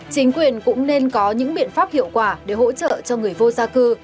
chính quyền cũng nên có những biện pháp hiệu quả để hỗ trợ cho người vô gia cư